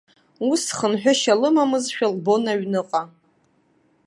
Ус хынҳәышьа лымамызшәа лбон аҩныҟа.